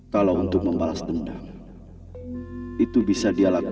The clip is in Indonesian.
ia akan memberikan nama repot primus mampus e dlaw